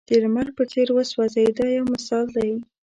د لمر په څېر وسوځئ دا یو مثال دی.